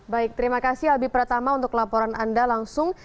baik terima kasih albi pratama untuk laporan anda langsung